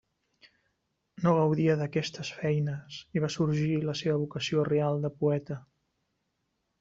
No gaudia d'aquestes feines i va sorgir la seva vocació real de poeta.